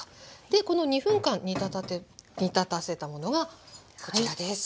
この２分間煮立たせたものがこちらです。